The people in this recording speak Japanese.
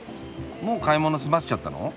もう買い物済ませちゃったの？